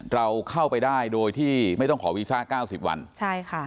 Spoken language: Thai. เราเข้าไปได้โดยที่ไม่ต้องขอวีซ่าเก้าสิบวันใช่ค่ะ